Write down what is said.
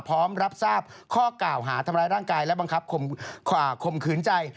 พร้อมรับทราบข้อกล่าวหาทำร้ายร่างกายและบังคับข่มขืนใจ